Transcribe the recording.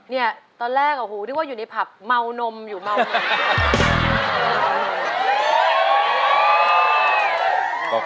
เนี่ยตอนแรกโอ้โหนึกว่าอยู่ในผับเมานมอยู่เมานม